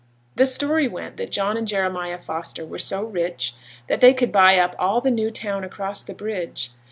The story went that John and Jeremiah Foster were so rich that they could buy up all the new town across the bridge.